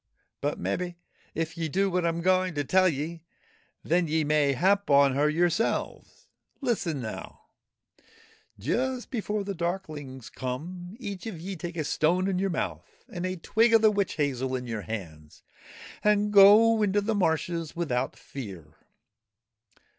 But mebbe, if ye do what I 'm going to tell ye, then ye may hap on her your selves. Listen now ! Just before the darklings come, each of ye take a stone in your mouth and a twig of the witch hazel in your hands, and go into the marshes without fear.